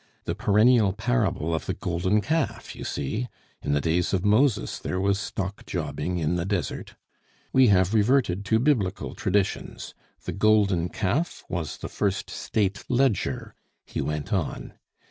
The perennial parable of the golden calf, you see! In the days of Moses there was stock jobbing in the desert! "We have reverted to Biblical traditions; the Golden Calf was the first State ledger," he went on.